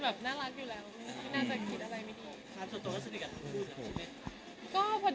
ไม่รู้แต่ว่าถ้าเรามาก็ไม่โกรธ